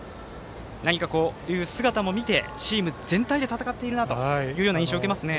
こういう姿を見てチーム全体で戦っているなという印象を受けますね。